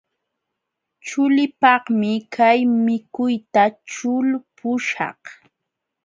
Chuliipaqmi kay mikuyta ćhulpuśhaq.